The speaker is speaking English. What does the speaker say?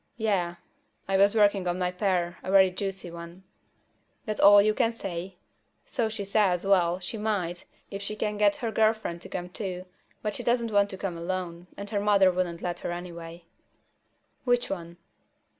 "Yeah." I was working on my pear, a very juicy one. "That all you can say? So she says, well, she might, if she can get her girl friend to come too, but she doesn't want to come alone, and her mother wouldn't let her anyway." "Which one?"